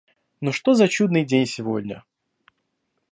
Но что за чудный день сегодня!